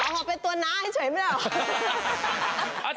ขอเป็นตัวน้าให้เฉยไม่ได้เหรอ